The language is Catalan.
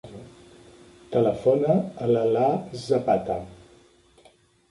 Telefona a l'Alaa Zapata.